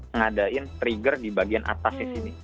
ngadain trigger di bagian atasnya sini